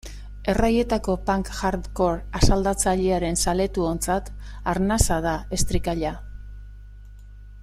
Erraietako punk-hardcore asaldatzailearen zaletuontzat arnasa da Estricalla.